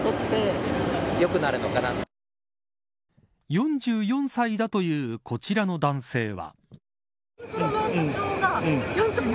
４４歳だというこちらの男性は。